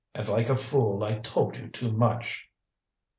"And like a fool I told you too much."